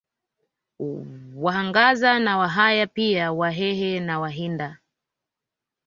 Wahangaza na Wahaya pia Wahehe na Wahinda